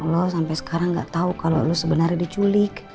lu sampe sekarang gak tau kalo lu sebenernya diculik